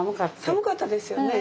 寒かったですよね。